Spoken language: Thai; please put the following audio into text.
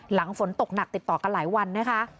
หลังฝนตกหนักติดต่อกันหลายวันนะคะ